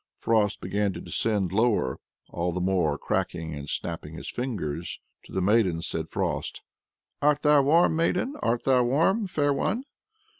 Frost began to descend lower, all the more cracking and snapping his fingers. To the maiden said Frost: "Art thou warm, maiden? Art thou warm, fair one?"